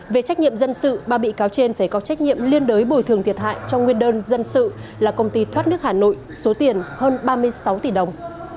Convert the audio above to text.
về trách nhiệm dân sự ba bị cáo trên phải có trách nhiệm liên đối bồi thường thiệt hại cho nguyên đơn dân sự là công ty thoát nước hà nội số tiền hơn ba mươi sáu tỷ đồng